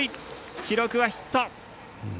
記録はヒット。